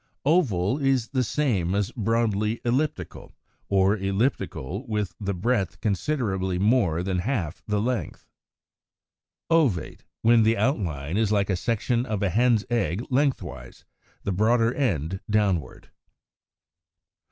Oval is the same as broadly elliptical, or elliptical with the breadth considerably more than half the length. Ovate (Fig. 119), when the outline is like a section of a hen's egg lengthwise, the broader end downward.